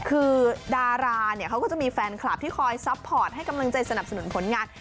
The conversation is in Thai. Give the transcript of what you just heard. คือดาราเนี่ยเขาก็จะมีแฟนคลับที่คอยซัพพอร์ตให้กำลังใจสนับสนุนผลงาน